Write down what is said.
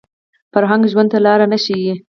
فرهنګ ژوند ته لاره نه ښيي